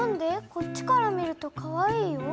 こっちから見るとかわいいよ。